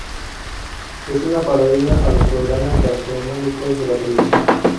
Es una parodia a los programas gastronómicos de la televisión.